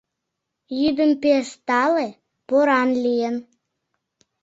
Йӱдым пеш тале поран лийын.